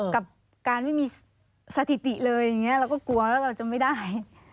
กับการไม่มีสถิติเลยอย่างนี้เราก็กลัวแล้วเราจะไม่ได้